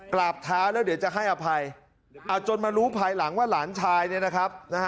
กราบเท้าแล้วเดี๋ยวจะให้อภัยเอาจนมารู้ภายหลังว่าหลานชายเนี่ยนะครับ